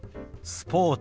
スポーツ。